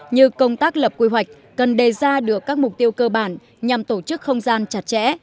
như công tác lập quy hoạch cần đề ra được các mục tiêu cơ bản nhằm tổ chức không gian chặt chẽ